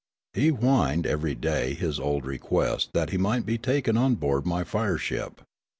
He whined every day his old request that he might be taken on board my fire ship.